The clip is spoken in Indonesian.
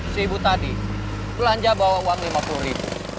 si ibu tadi belanja bawa uang lima puluh ribu